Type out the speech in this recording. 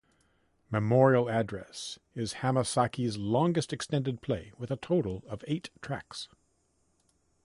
"Memorial Address" is Hamasaki's longest extended play with a total of eight tracks.